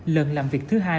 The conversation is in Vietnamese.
lần làm việc thứ hai